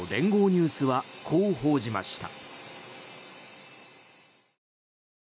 ニュースはこう報じました。